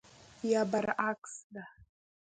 یا برعکس ده.